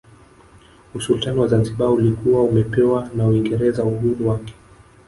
Usultani wa Zanzibar ulikuwa umepewa na Uingereza uhuru wake